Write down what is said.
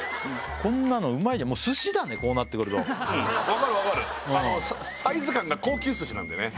こんなのうまいじゃんもう寿司だねこうなってくるとうん分かる分かるサイズ感が高級寿司なんだよね